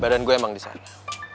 badan gue emang disana